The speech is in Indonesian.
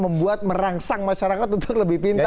membuat merangsang masyarakat untuk lebih pintar